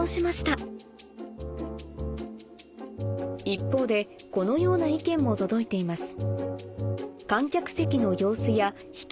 一方でこのような意見も届いています